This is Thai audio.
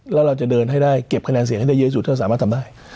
แล้วเราจะเดินให้ได้เก็บคะแนนเสียงให้ได้เยอะสุดถ้าสามารถทำได้